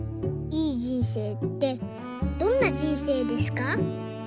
いい人生ってどんな人生ですか？」。